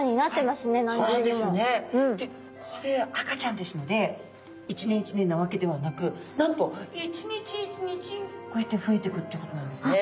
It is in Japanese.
でこれ赤ちゃんですので一年一年なわけではなくなんと一日一日こうやって増えてくっていうことなんですね。